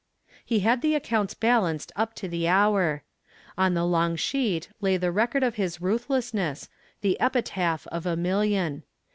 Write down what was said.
He had the accounts balanced up to the hour. On the long sheet lay the record of his ruthlessness, the epitaph of a million.